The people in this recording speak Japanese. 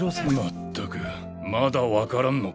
全くまだ分からんのか。